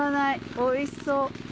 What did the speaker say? おいしそう。